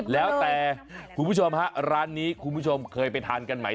แล้วแต่คุณผู้ชมฮะร้านนี้คุณผู้ชมเคยไปทานกันไหม